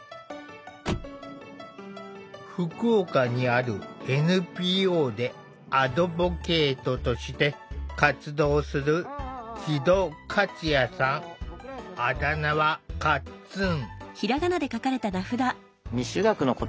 福岡にあるＮＰＯでアドボケイトとして活動するあだ名はかっつん。